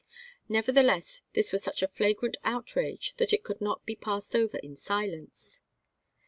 Nevertheless, this was such a flagrant outrage, that it could not be passed over in silence.